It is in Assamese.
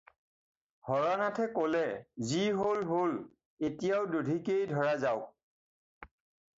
হৰনাথে ক'লে- "যি হ'ল হ'ল, এতিয়াও দধিকেই ধৰা যাওক।"